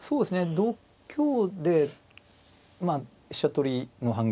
同香でまあ飛車取りの反撃。